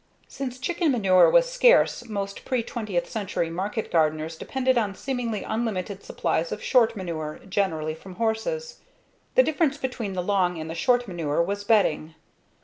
Since chicken manure was scarce, most pre twentieth century market gardeners depended on seemingly unlimited supplies of "short manure," generally from horses. The difference between the "long" and the "short" manure was bedding.